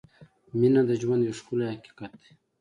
• مینه د ژوند یو ښکلی حقیقت دی.